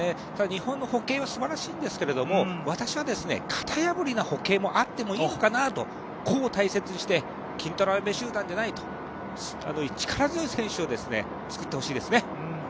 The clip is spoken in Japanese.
日本の歩型はすばらしいんですけど私は型破りな歩型もあってもいいのかなと個を大切にして金太郎飴集団ではないと、力強い集団を作ってほしいですね。